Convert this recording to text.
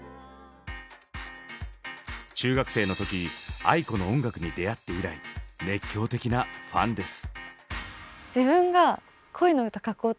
中学生の時ａｉｋｏの音楽に出会って以来熱狂的なファンです。